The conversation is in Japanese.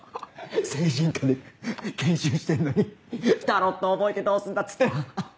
精神科で研修してんのにタロット覚えてどうすんだっつって！